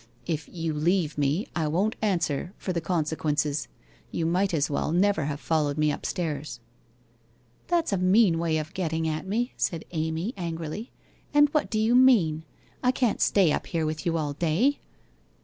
'If you leave me, I won't answer for the consequences. You might as well never have followed me upstairs.' 'That's a mean way of getting at me,' said Amy an grily. 'And what do you mean? 1 can't stay up here with you all day!